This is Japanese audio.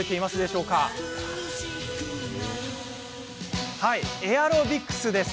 そう、エアロビクス。